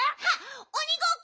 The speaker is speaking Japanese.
おにごっこ！